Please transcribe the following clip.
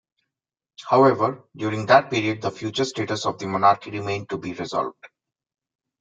However, during that period the future status of the monarchy remained to be resolved.